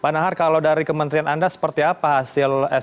pak nahar kalau dari kementerian anda seperti apa hasilnya